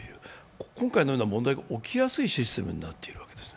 今回のような問題が起きやすいシステムになっているわけです。